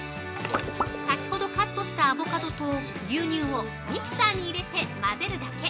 先ほどカットしたアボカドと牛乳をミキサーに入れて混ぜるだけ。